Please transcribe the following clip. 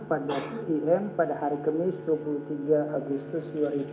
pada im pada hari kemi dua puluh tiga agustus dua ribu delapan belas